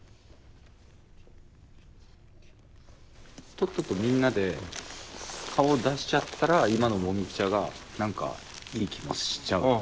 とっととみんなで顔を出しちゃったら今のもみくちゃがなんかいい気もしちゃうっていうか。